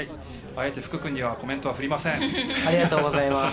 あえて、福くんにはコメント振りません。